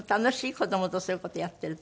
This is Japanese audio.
子どもとそういう事やってると。